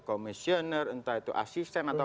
komisioner entah itu asisten atau